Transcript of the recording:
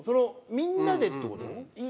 みんなでって事？